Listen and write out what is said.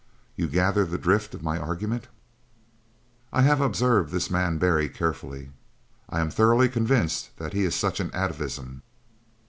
You gather the drift of my argument. "I have observed this man Barry carefully. I am thoroughly convinced that he is such an atavism.